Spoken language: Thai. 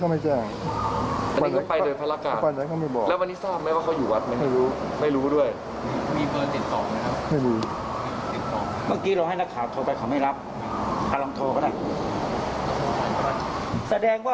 ไม่รู้นะ